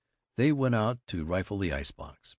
They went out to rifle the ice box.